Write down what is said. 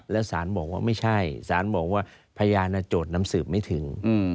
แล้วสารบอกว่าไม่ใช่สารบอกว่าพยานโจทย์นำสืบไม่ถึง